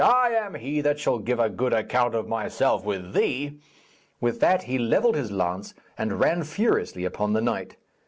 'I am he that shall give a good account of myself with thee.' With that he levelled his lance and ran furiously upon the knight.